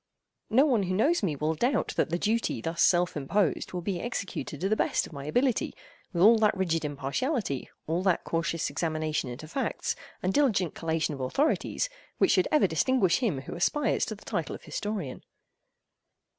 No one who knows me will doubt that the duty thus self imposed will be executed to the best of my ability, with all that rigid impartiality, all that cautious examination into facts, and diligent collation of authorities, which should ever distinguish him who aspires to the title of historian.